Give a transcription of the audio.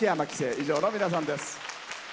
以上の皆さんです。